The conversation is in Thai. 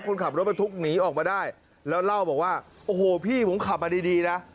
คนขับรถบรรทุกหนีออกมาได้แล้วเล่าบอกว่าโอ้โหพี่ผมขับมาดีดีนะ